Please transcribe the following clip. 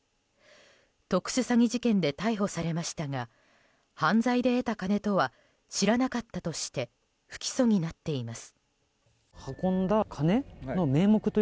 特殊詐欺事件で逮捕されましたが犯罪で得た金とは知らなかったとして不起訴になっています。